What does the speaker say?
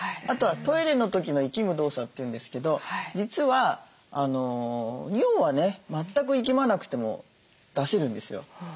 あとはトイレの時のいきむ動作というんですけど実は尿はね全くいきまなくても出せるんですよ。